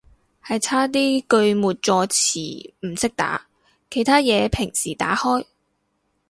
係差啲句末助詞唔識打，其他嘢平時打開